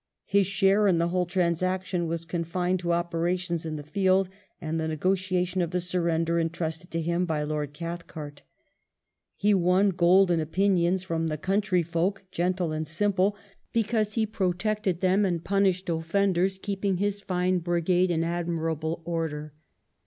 His share in the whole transaction was confined to operations in the field and the negotiation of the surrender entrusted to him by Lord Cathcart. He won golden opinions from the coijntry folk, gentle and simple, because he protected them and punished offenders, keeping his fine brigade in admirable order.